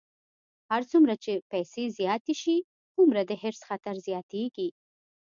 هر څومره چې پیسې زیاتې شي، هومره د حرص خطر زیاتېږي.